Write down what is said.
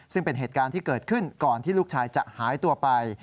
ซึ่งเป็นเหตุการณ์ที่เกิดขึ้นก่อนที่ลูกชายจะหายตัวไป